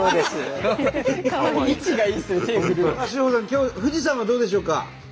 今日富士山はどうでしょうか？